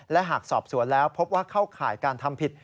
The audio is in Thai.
และหากสอบสวนแล้วพบว่าเข้าข่ายการทำผิด